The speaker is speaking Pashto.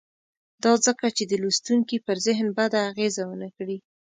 دا ځکه چې د لوستونکي پر ذهن بده اغېزه ونه کړي.